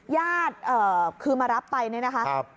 ยาดคือมารับไปนี่นะคะ